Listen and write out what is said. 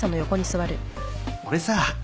俺さ